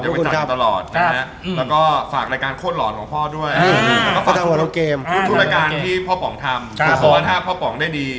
แล้วก็ฝากรายการโคตรหลอดของพ่อด้วยทุกรายการที่พ่อป๋องทำเพราะว่าถ้าพ่อป๋องได้ดี